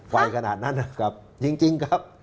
ขนาดนั้นนะครับจริงครับ